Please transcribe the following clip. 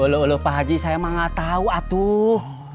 loh pak haji saya nggak tahu tuh